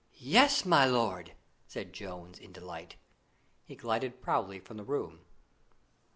"Yes, my lord!" said Jones, in delight. He glided proudly from the room.